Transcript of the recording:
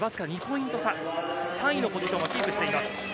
３位のポジションはキープしています。